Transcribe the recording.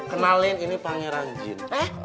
kenalin ini pangeran jin